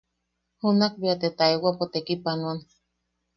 Junak beate taewapo tekipanoan.